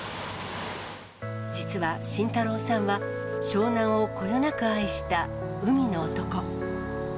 実は、慎太郎さんは湘南をこよなく愛した海の男。